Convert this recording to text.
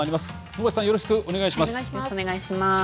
能町さん、よろしくお願いします。